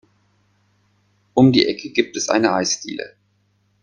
Um die Ecke gibt es eine Eisdiele.